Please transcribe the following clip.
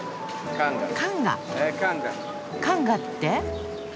カンガって？